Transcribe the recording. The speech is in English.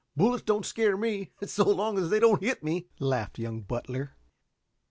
"Bullets don't scare me, so long as they don't hit me," laughed young Butler.